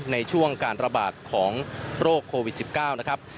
ในช่วงการระบาดของโรคโควิด๑๙นะครับ